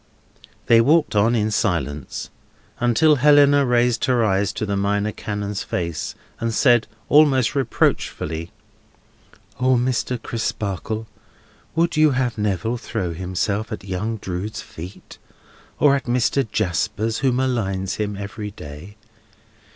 They walked on in silence, until Helena raised her eyes to the Minor Canon's face, and said, almost reproachfully: "O Mr. Crisparkle, would you have Neville throw himself at young Drood's feet, or at Mr. Jasper's, who maligns him every day?